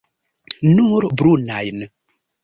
Nur brunajn.